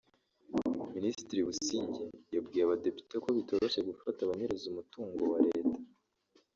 Minisitiri Busingye yabwiye Abadepite ko bitoroshye gufata abanyereza umutungo wa Leta